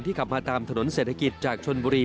ขับมาตามถนนเศรษฐกิจจากชนบุรี